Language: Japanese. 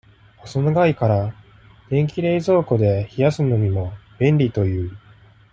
細長いから、電気冷蔵庫で冷やすのにも、便利という。